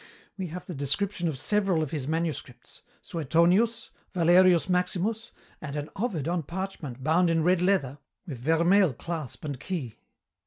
We have the description of several of his manuscripts; Suetonius, Valerius Maximus, and an Ovid on parchment bound in red leather, with vermeil clasp and key.